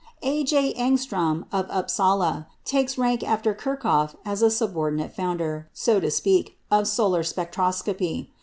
A. J. Ångström of Upsala takes rank after Kirchhoff as a subordinate founder, so to speak, of solar spectroscopy.